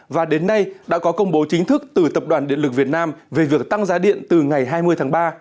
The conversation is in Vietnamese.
và đến nay đã có công bố chính thức từ tập đoàn điện lực việt nam về việc tăng giá điện từ ngày hai mươi tháng ba